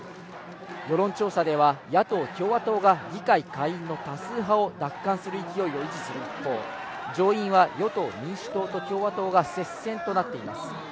世論調査では野党・共和党が議会下院の多数派を奪還する勢いを維持する一方、上院は与党・民主党と共和党が接戦となっています。